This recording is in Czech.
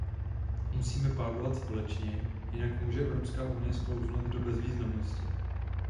Musíme pádlovat společně, jinak může Evropská unie sklouznout do bezvýznamnosti.